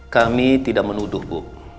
kami tidak menuduh bu